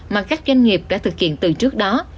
mà các doanh nghiệp đã thực hiện từ trước đó